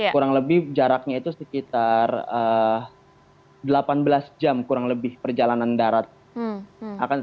kurang lebih jaraknya itu sekitar delapan belas jam kurang lebih perjalanan darat